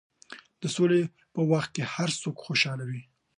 د سولې په وخت کې هر څوک خوشحاله وي.